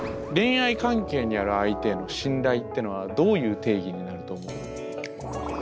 恋愛関係にある相手への信頼っていうのはどういう定義になると思う？